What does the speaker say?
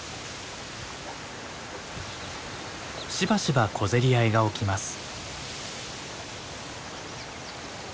しばしば小競り合いが起きます。